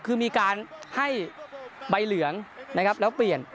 คือมีการให้ใบเหลืองนะครับแล้วเปลี่ยน